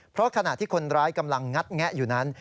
เพราะขณะที่คนร้ายกำลังงัดแงะอยู่นั้น